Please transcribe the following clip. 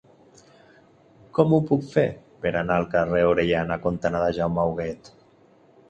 Com ho puc fer per anar al carrer Orellana cantonada Jaume Huguet?